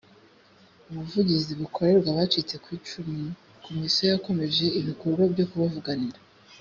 ubuvugizi bukorerwa abacitse ku icumu komisiyo yakomeje ibikorwa byo kubavuganira